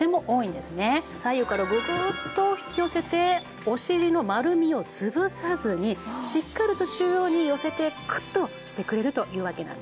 左右からぐぐっと引き寄せてお尻の丸みを潰さずにしっかりと中央に寄せてクッとしてくれるというわけなんですね。